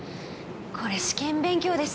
これ試験勉強です。